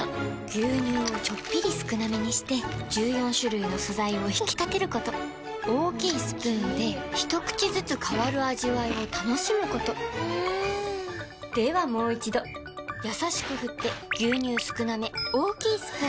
牛乳をちょっぴり少なめにして１４種類の素材を引き立てること大きいスプーンで一口ずつ変わる味わいを楽しむことではもう一度これだ！